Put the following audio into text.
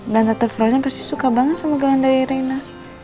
dan tante frozen pasti suka banget sama gelanda irina